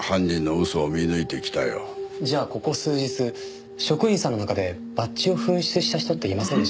じゃあここ数日職員さんの中でバッジを紛失した人っていませんでした？